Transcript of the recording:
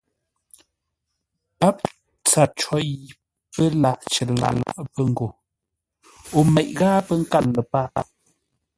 Pǎp tsâr có yi pə́ lâʼ cər lâʼ pə́ ngô o meʼ ghâa pə́ nkâr ləpâʼ.